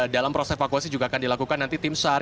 dalam proses evakuasi juga akan dilakukan nanti tim sar